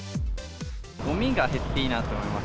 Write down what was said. ごみが減っていいなと思います。